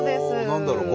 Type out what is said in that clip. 何だろう？